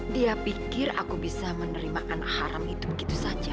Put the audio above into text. dia pikir aku bisa menerima haram itu begitu saja